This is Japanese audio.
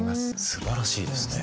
すばらしいですね。